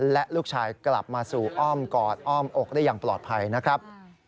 และลูกชายกลับมาสู่อ้อมกอดอ้อมอกได้อย่างปลอดภัยนะครับ